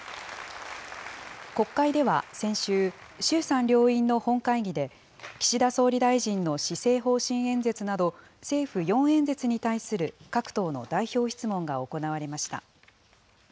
国会では先週、衆参両院の本会議で、岸田総理大臣の施政方針演説など、政府４演説に対する各党の代表質問が行われました。